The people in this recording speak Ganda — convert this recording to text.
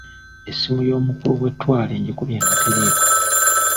Essimu y'omukulu w'ettwale ngikubye nga teriiko.